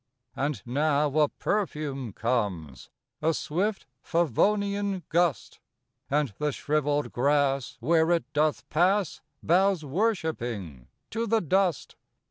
And now a perfume comes, A swift Favonian gust; And the shrivelled grass, where it doth pass, Bows worshiping to the dust.